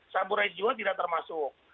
saburejwa tidak termasuk